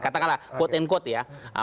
katakanlah quote and quote ya